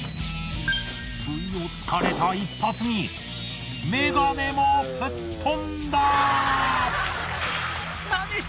不意を突かれた一発にメガネも吹っ飛んだ！